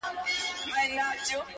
• معلوميږي چي موسم رانه خفه دی,